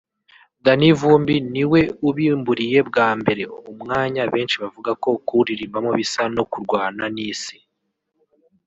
Danny Vumbi ni we ubimburiye bwa mbere [umwanya benshi bavuga ko kuwuririmbaho bisa no kurwana n’Isi]